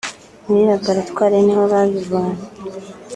muri Laboratoire ni ho babimenya